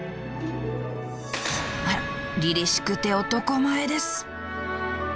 あら凜々しくて男前です！